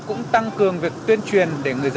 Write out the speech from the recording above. cũng tăng cường việc tuyên truyền